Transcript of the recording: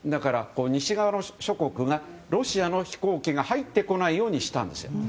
西側諸国がロシアの飛行機を入ってこないようにしたんです。